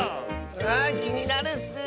あきになるッス。